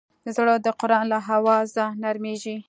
زړه د قرآن له اوازه نرمېږي.